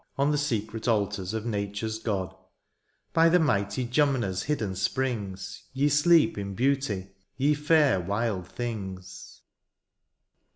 On the secret altars of nature^s God ; By the mighty Jumna^s hidden springs ; Ye sleep in beauty, ye fair wild things. WILD FLOWERS.